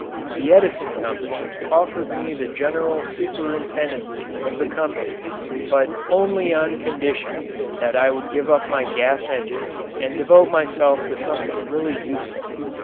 The Edison Company offered me the general superintendency of the company but only on condition that I would give up my gas engine and devote myself to something really useful.